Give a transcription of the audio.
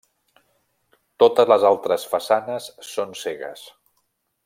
Totes les altres façanes són cegues.